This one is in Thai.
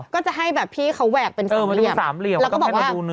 ก็จะให้แบบพี่เค้าแหวบเป็นสามเหลี่ยมแล้วก็บอกว่า